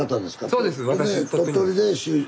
そうです。